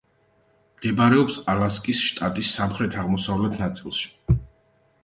მდებარეობს ალასკის შტატის სამხრეთ-აღმოსავლეთ ნაწილში.